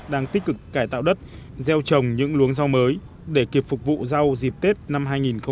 đang tích cực cải tạo đất gieo trồng những luống rau mới để kịp phục vụ rau dịp tết năm hai nghìn hai mươi